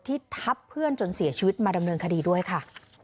ทับเพื่อนจนเสียชีวิตมาดำเนินคดีด้วยค่ะ